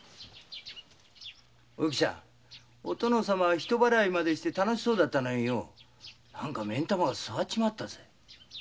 お殿様は人払いまでして楽しそうだったのによなんか目ん玉がすわっちまったぜ。